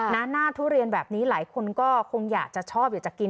หน้าทุเรียนแบบนี้หลายคนก็คงอยากจะชอบอยากจะกิน